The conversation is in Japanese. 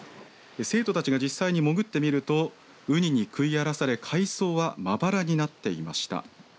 生徒たちが実際に潜ってみるとうにに食い荒らされ海藻はまばらになっていました。